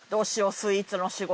スイーツの仕事